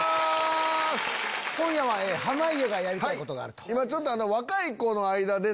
今夜は濱家がやりたいことがあると。